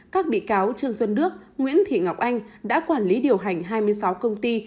các bị cáo trương xuân đức nguyễn thị ngọc anh đã quản lý điều hành hai mươi sáu công ty